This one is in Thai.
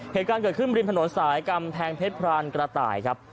เหตุการณ์เกิดขึ้นริมถนนสายกำแพงเพชรพรานกระต่ายครับ